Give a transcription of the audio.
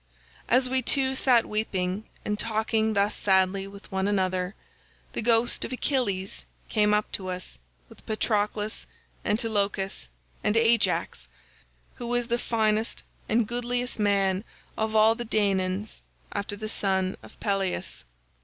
"As we two sat weeping and talking thus sadly with one another the ghost of Achilles came up to us with Patroclus, Antilochus, and Ajax who was the finest and goodliest man of all the Danaans after the son of Peleus.